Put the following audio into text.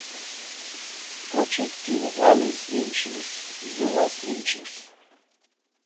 Ǩoçikti ğalis inçirs, zuğas inçirs.